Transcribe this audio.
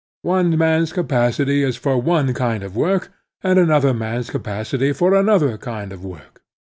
One man's capacity is for one kind of work and another man's capacity for another Idnd of work.